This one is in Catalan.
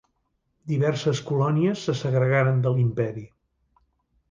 Diverses colònies se segregaren de l'imperi.